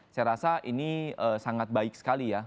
saya rasa ini sangat baik sekali ya